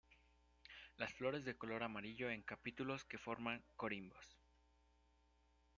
Las flores de color amarillo en capítulos que forman corimbos.